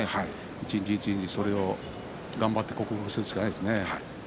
一日一日頑張ってそれを克服するしかないですね。